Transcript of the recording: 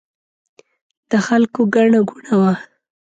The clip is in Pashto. د خلکو ګڼه ګوڼه وه.